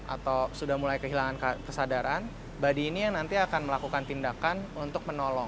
atau sudah mulai kehilangan kesadaran body ini yang nanti akan melakukan tindakan untuk menolong